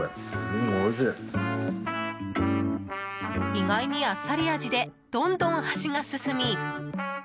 意外にあっさり味でどんどん箸が進み。